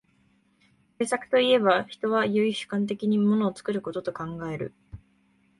製作といえば、人は唯主観的に物を作ることと考える。